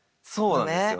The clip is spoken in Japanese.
そうなんですよ。